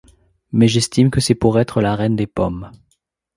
Mais j'estime que c'est pour estre la reine des Pommes.